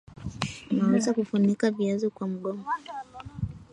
unaweza kufunika viazi kwa mgomba